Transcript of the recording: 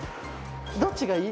どっちがいい？